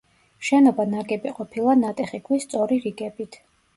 შენობა ნაგები ყოფილა ნატეხი ქვის სწორი რიგებით.